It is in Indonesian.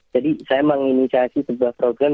jadi saya menginisiasi sebuah program